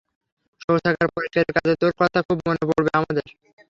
শৌচাগার পরিষ্কারের কাজে তোর কথা খুব মনে পড়বে আমাদের।